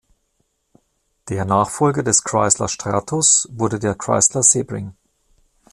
Der Nachfolger des Chrysler Stratus wurde der Chrysler Sebring.